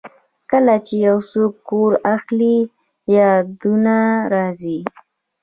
کله چې یو څوک کور اخلي، یادونه راځي.